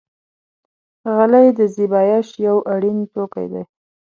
غلۍ د زېبایش یو اړین توکی دی.